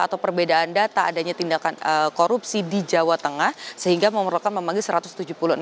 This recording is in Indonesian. atau perbedaan data adanya tindakan korupsi di jawa tengah sehingga memerlukan memanggil satu ratus tujuh puluh enam orang